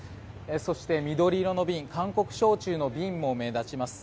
そして、緑色の瓶韓国焼酎の瓶も目立ちます。